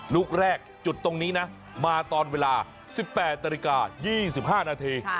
ลูกแรกจุดตรงนี้นะมาตอนเวลา๑๘นาฬิกา๒๕นาที